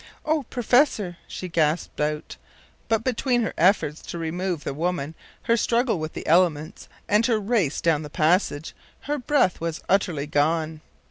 “O professor!” she gasped out; but, between her efforts to remove the woman, her struggle with the elements, and her race down the passage, her breath was utterly gone.